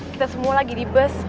kita semua lagi di bus